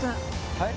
はい？